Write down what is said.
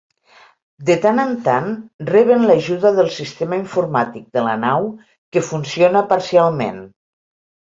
De tant en tant, reben l'ajuda del sistema informàtic de la nau, que funciona parcialment.